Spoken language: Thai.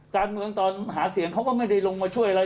การเมืองตอนหาเสียงเขาก็ไม่ได้ลงมาช่วยอะไร